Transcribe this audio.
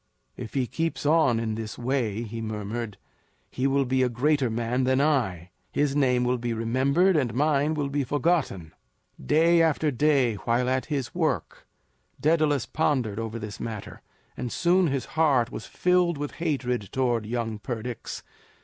"If he keeps on in this way," he murmured, "he will be a greater man than I; his name will be remembered, and mine will be forgotten." Day after day, while at his work, Daedalus pondered over this matter, and soon his heart was filled with hatred towards young Perdix.